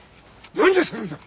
何をするんだ！